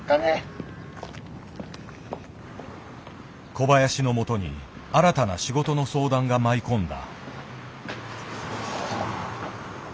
小林の元に新たな仕事の相談が舞い込んだ。